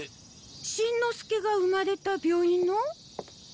しんのすけが生まれた病院の？